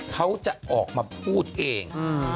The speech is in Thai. เขาจะออกมาพูดเอง